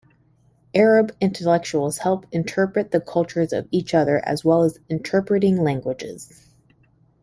Arab intellectuals helped interpret the cultures to each other, as well as interpreting languages.